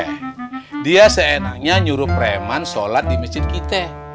eh dia seenaknya nyuruh preman sholat di masjid kita